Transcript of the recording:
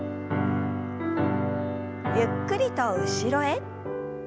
ゆっくりと後ろへ。